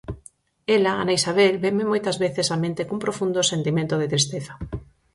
Ela, Ana Isabel, vénme moitas veces á mente cun profundo sentimento de tristeza.